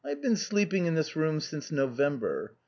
"I've been sleeping in this room since November.